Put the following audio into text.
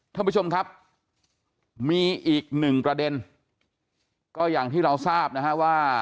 ท่านผู้ชมครับมีอีกหนึ่งประเด็นก็อย่างที่เราทราบนะฮะว่า